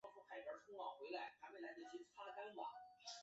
海南野扇花为黄杨科野扇花属的植物。